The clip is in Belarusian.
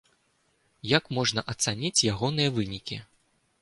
Як можна ацаніць ягоныя вынікі?